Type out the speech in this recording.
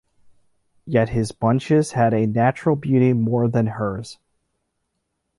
Yet his bunches had a natural beauty more than hers.